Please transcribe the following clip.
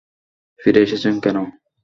ফিরে এসেছেন কেন?